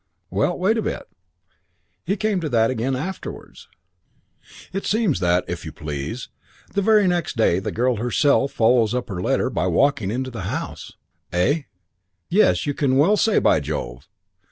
"Well, wait a bit. He came to that again afterwards. It seems that, if you please, the very next day the girl herself follows up her letter by walking into the house. Eh? Yes, you can well say 'By Jove.'